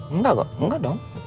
enggak kok enggak dong